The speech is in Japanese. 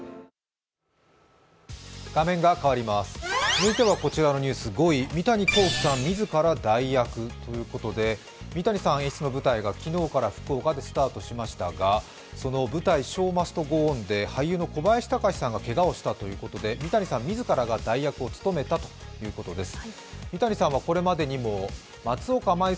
続いてはこちらのニュース５位、三谷幸喜さん自ら代役ということで三谷さん演出の舞台が昨日から福岡でスタートしましたがその舞台「ショウ・マスト・ゴー・オン」で俳優の小林隆さんがけがをしたということで三谷さん自らが代役を務めたということです。